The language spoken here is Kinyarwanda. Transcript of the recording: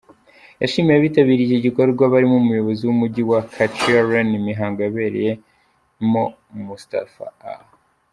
Yashimiye abitabiriye iki gikorwa barimo umuyobozi w’umujyi wa Kecioren imihango yabereyemo, Mustafa A.